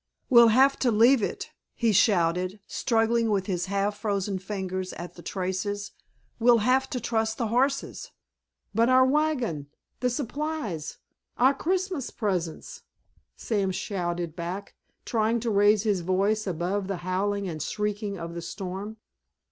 "We'll have to leave it," he shouted, struggling with his half frozen fingers at the traces. "We'll have to trust to the horses." "But our wagon—the supplies—our Christmas presents——" Sam shouted back, trying to raise his voice above the howling and shrieking of the storm.